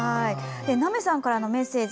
ナメさんからのメッセージ。